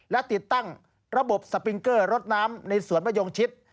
และติดตั้งระบบสปิงเกอร์รถน้ำในสวนมะยงชิด